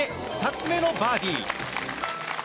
２つ目のバーディー。